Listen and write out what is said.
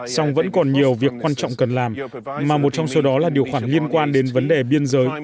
song vẫn còn nhiều việc quan trọng cần làm mà một trong số đó là điều khoản liên quan đến vấn đề biên giới